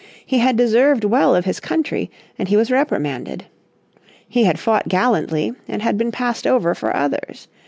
He had deserved well of his country, and he was reprimanded. He had fought gallantly, and had been passed over for others.